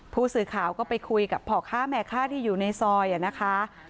ผู้สื่อข่าวก็ไปคุยกับพ่อค้าแม่ค้าที่อยู่ในซอยนะคะ